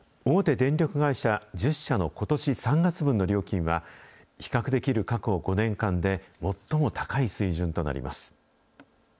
大手電力会社１０社のことし３月分の料金は、比較できる過去５年間で、最も高い水準となります。